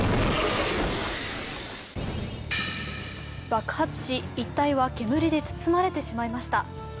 爆発し、一帯は煙で包まれてしまいました。